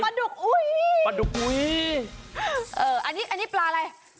ปลาดุกอุ้ยปลาดุกอุ้ยอันนี้ปลาอะไร